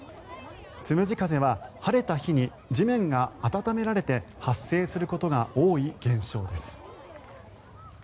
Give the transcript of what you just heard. つむじ風は晴れた日に地面が暖められて発生することが多い現象です。